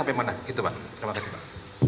itu pak terima kasih pak